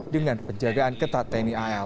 dengan penjagaan ketat tni al